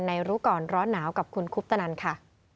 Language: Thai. รู้ก่อนร้อนหนาวกับคุณคุปตนันค่ะ